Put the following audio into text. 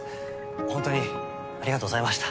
ほんとにありがとうございました。